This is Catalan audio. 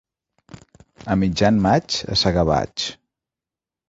A mitjan maig a segar vaig.